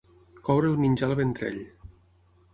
Courer el menjar al ventrell.